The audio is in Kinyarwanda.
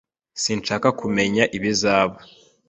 Sinshaka kumenya ibizaba.